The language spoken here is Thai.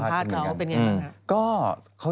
เออสัมภาษณ์เล่าเป็นอย่างไรบ้างครับ